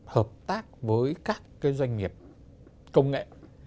hợp tác với các cái doanh nghiệp công nghệ